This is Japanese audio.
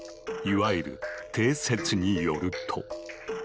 いわゆる「定説」によると。